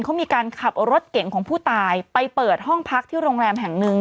เขามีการขับรถเก่งของผู้ตายไปเปิดห้องพักที่โรงแรมแห่งหนึ่ง